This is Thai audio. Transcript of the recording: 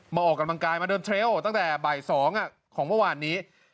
มาออกกำลังกายมาเดินเทรลตั้งแต่บ่าย๒ของประวัตินี้